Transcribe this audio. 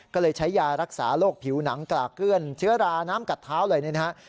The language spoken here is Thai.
ก็เลยใช้ยารักษาโรคผิวหนังกลากเกื้อนเชื้อราน้ำกัดเท้าเลยเนี่ยนะฮะ